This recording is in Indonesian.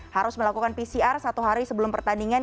harus melakukan pcr satu hari sebelum pertandingan